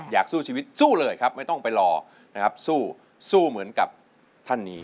อยากสู้ชีวิตสู้เลยครับไม่ต้องไปรอสู้เหมือนกับเส้นนี้